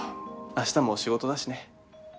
明日も仕事だしね